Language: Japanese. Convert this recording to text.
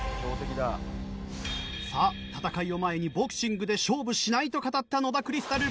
さあ戦いを前にボクシングで勝負しないと語った野田クリスタル。